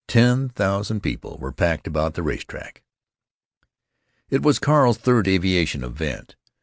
Ten thousand people were packed about the race track. It was Carl's third aviation event.